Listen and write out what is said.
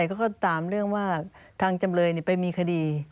ก็ตามเรื่องว่าทางจำเลยก็ไม่มีคดี